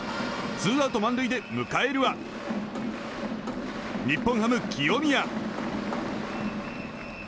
ツーアウト満塁で迎えるは日本ハム、清宮。